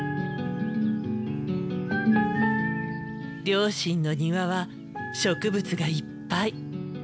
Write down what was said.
両親の庭は植物がいっぱい。